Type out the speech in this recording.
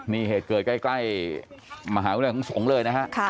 นี่เหตุเกิดใกล้มหาวิทยาลัยของสงฆ์เลยนะฮะ